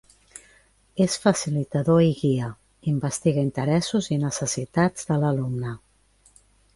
És facilitador i guia, investiga interessos i necessitats de l'alumne.